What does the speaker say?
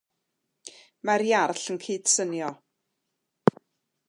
Mae'r Iarll yn cydsynio.